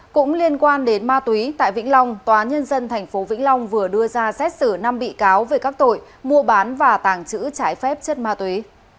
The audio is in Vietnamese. cũng liên quan đến ma túy tại vĩnh long tòa nhân dân tp vĩnh long vừa đưa ra xét xử năm bị cáo về các tội mua bán và tàng trữ trái phép chất ma túy